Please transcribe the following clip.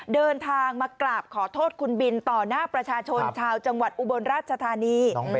เดินทางมากราบขอโทษคุณบินต่อหน้าประชาชนชาวจังหวัดอุบลราชธานี